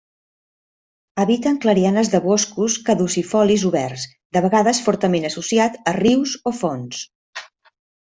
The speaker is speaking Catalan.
Habita en clarianes de boscos caducifolis oberts, de vegades fortament associat a rius o fonts.